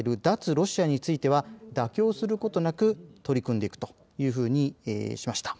ロシアについては妥協することなく取り組んでいくというふうにしました。